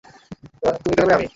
তুমি তাহলে আমিই।